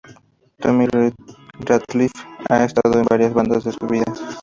Tommy Ratliff ha estado en varias bandas en su vida.